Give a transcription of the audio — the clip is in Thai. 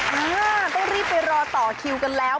เนี่ยต้องรีบไปรอต่อคิวกันแล้ว